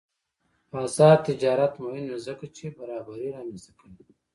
آزاد تجارت مهم دی ځکه چې برابري رامنځته کوي.